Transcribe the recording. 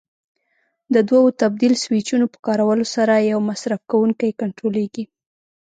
د دوو تبدیل سویچونو په کارولو سره یو مصرف کوونکی کنټرولېږي.